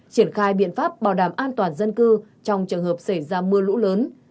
triển khai biện pháp bảo đảm an toàn dân cư trong trường hợp xảy ra mưa lũ lớn